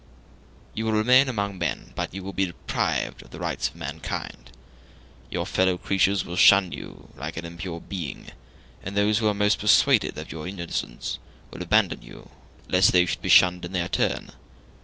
You will remain among men, but you will be deprived of the rights of mankind. Your fellow creatures will shun you like an impure being, and those who are most persuaded of your innocence will abandon you too, lest they should be shunned in their turn.